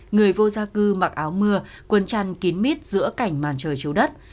người vô gia cư mặc áo mưa quấn chăn kín mít giữa cảnh màn trời chiếu đất